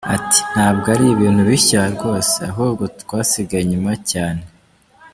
Ati “Ntabwo ari ibintu bishya rwose ahubwo twasigaye inyuma cyane.